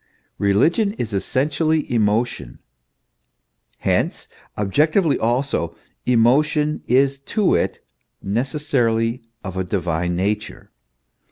Religion is essen tially emotion; hence, objectively also, emotion is to it neces sarily of a divine nature.